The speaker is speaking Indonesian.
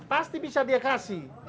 pasti bisa dia kasih